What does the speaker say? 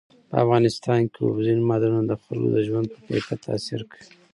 په افغانستان کې اوبزین معدنونه د خلکو د ژوند په کیفیت تاثیر کوي.